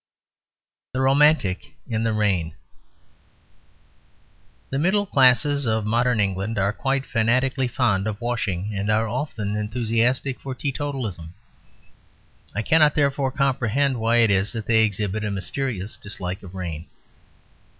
THE ROMANTIC IN THE RAIN The middle classes of modern England are quite fanatically fond of washing; and are often enthusiastic for teetotalism. I cannot therefore comprehend why it is that they exhibit a mysterious dislike of rain.